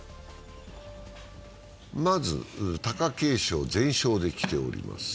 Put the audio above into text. まず貴景勝、全勝できております。